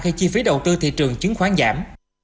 khi chi phí đầu tư thị trường chứng khoán giảm